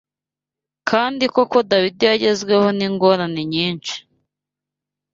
Kandi koko Dawidi yagezweho n’ingorane nyinshi!